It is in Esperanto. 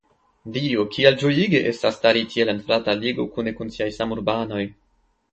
Dio, kiel ĝojige estas stari tiel en frata ligo kune kun siaj samurbanoj!